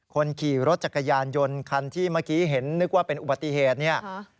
คนขี่รถจักรยานยนต์คันที่เมื่อกี้เห็นนึกว่าเป็นอุบัติเหตุเนี่ย